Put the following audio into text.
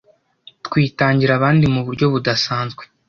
Twitangira abandi muburyo budasanzwe